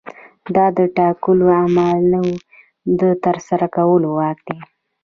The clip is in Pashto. دا د ټاکلو اعمالو د ترسره کولو واک دی.